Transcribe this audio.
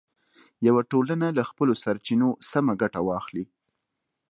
یوه ټولنه له خپلو سرچینو سمه ګټه واخلي.